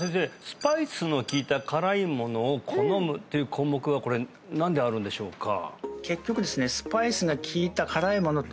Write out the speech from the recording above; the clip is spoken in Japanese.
スパイスのきいた辛いものを好むっていう項目はこれ何であるんでしょうか？